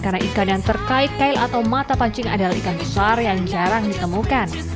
karena ikan yang terkait kail atau mata pancing adalah ikan besar yang jarang ditemukan